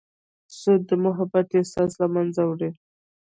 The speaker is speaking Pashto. سود د محبت احساس له منځه وړي.